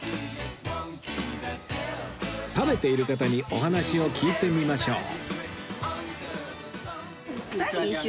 食べている方にお話を聞いてみましょう